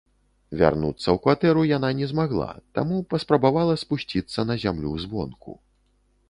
Вярнуцца ў кватэру яна не змагла, таму паспрабавала спусціцца на зямлю звонку.